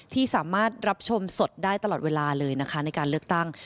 ที่สามารถรับชมสดได้ตลอดเวลาเลยนะคะในการเลือกตั้ง